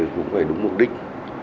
cũng phải đúng mục đích